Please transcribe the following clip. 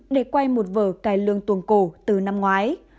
để quay một vở cải lương tuồng cổ từ năm ngoái